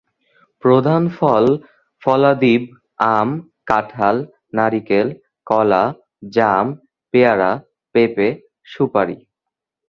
প্রধান ফল-ফলাদিব আম, কাঁঠাল, নারিকেল, কলা, জাম, পেয়ারা, পেঁপে, সুপারি।